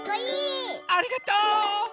ありがとう！